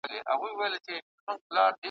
د ار غوان به، باندي یرغل وي ,